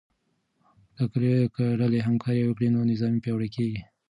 که ډلې همکاري وکړي نو نظام پیاوړی کیږي.